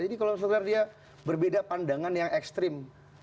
jadi kalau sebenarnya dia berbeda pandangan yang ekstrim